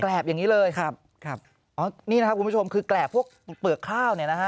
อย่างนี้เลยครับครับอ๋อนี่นะครับคุณผู้ชมคือแกรบพวกเปลือกข้าวเนี่ยนะฮะ